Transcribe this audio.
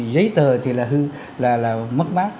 giấy tờ thì là mất mát